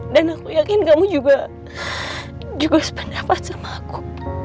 dan aku yakin kamu juga sependapat sama aku